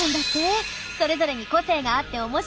それぞれに個性があって面白いの！